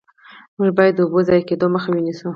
موږ باید د اوبو ضایع کیدو مخه ونیسو.